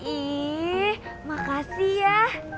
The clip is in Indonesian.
ih makasih ya